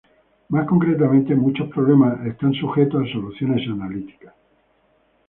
Más concretamente, muchos problemas son sujetos a soluciones analíticas.